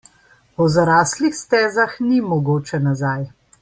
Po zaraslih stezah ni mogoče nazaj.